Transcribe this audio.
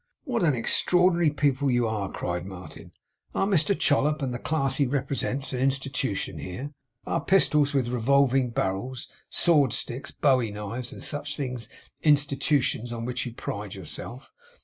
'What an extraordinary people you are!' cried Martin. 'Are Mr Chollop and the class he represents, an Institution here? Are pistols with revolving barrels, sword sticks, bowie knives, and such things, Institutions on which you pride yourselves?